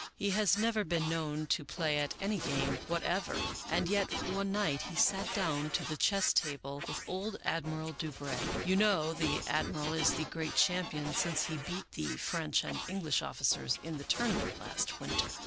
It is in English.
" He has never been known to play at any game what ever, and yet one night he sat down to the chess table with old Admiral Du Brey. You know the Admiral is the great champion since he beat the French and English officers in the tournament last winter.